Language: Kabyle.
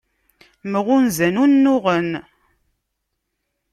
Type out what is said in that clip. Mɣunzan ur nnuɣen.